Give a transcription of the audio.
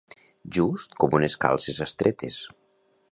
Just com unes calces estretes.